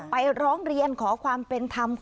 ร้องเรียนขอความเป็นธรรม